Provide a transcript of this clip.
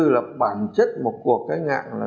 là bản chất một cuộc cách mạng